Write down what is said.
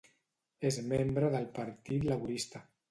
És membre del Partit Laborista.